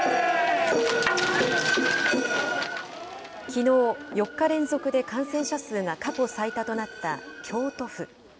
きのう、４日連続で感染者数が過去最多となった京都府。